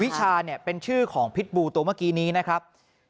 วิชาเนี่ยเป็นชื่อของพิษบูตัวเมื่อกี้นี้นะครับ